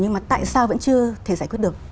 nhưng mà tại sao vẫn chưa thể giải quyết được